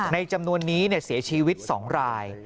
จำนวนนี้เสียชีวิต๒ราย